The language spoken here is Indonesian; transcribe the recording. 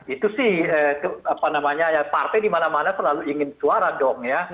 itu sih partai dimana mana selalu ingin suara dong ya